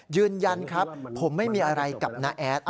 ยืนยันครับผมไม่มีอะไรกับน้าแอด